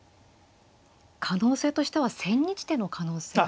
可能性としては千日手の可能性は。